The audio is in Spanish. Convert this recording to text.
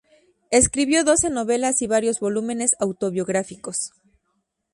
Escribió doce novelas y varios volúmenes autobiográficos.